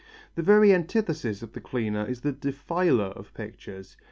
The very antithesis of the cleaner is the defiler of pictures.